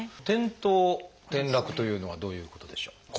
「転倒・転落」というのはどういうことでしょう？